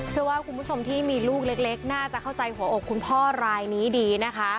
เชื่อว่าคุณผู้ชมที่มีลูกเล็กน่าจะเข้าใจหัวอกคุณพ่อรายนี้ดีนะคะ